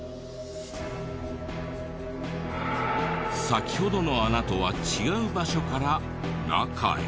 先ほどの穴とは違う場所から中へ。